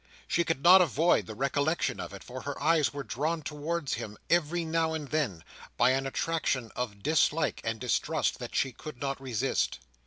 She could not avoid the recollection of it, for her eyes were drawn towards him every now and then, by an attraction of dislike and distrust that she could not resist.